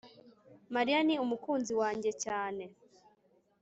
mariya ni umukunzi wanjye cyane